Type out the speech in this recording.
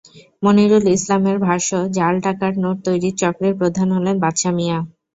মনিরুল ইসলামের ভাষ্য, জাল টাকার নোট তৈরির চক্রের প্রধান হলেন বাদশা মিয়া।